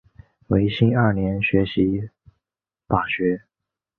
维新二年学习法学。